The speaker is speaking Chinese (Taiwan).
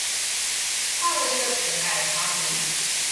畫了一個可愛的插圖